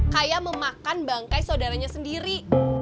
kayak memakan bangkai saudaranya sendiri